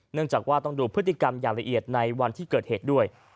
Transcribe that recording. จากว่าต้องดูพฤติกรรมอย่างละเอียดในวันที่เกิดเหตุด้วย